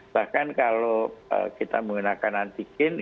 bahkan kalau kita menggunakan antikin kita harus melakukan antikin